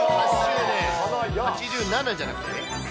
８７じゃなくて？